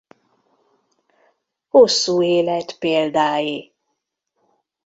Hosszú élet példái.